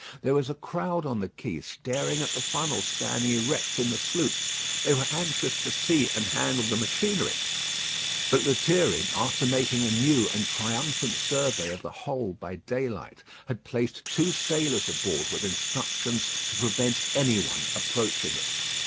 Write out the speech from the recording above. There was a crowd on the quay staring at the funnel standing erect in the sloop. They were anxious to see and handle the machinery; but Lethierry, after making a new and triumphant survey of the whole by daylight, had placed two sailors aboard with instructions to prevent any one approaching it.